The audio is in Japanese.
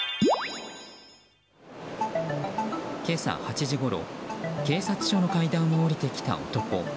今朝８時ごろ警察署の階段を下りてきた男。